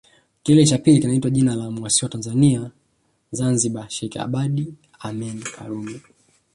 Kilele cha pili kinaitwa jina la Muasisi wa Tanzania Zanzibar Sheikh Abeid Karume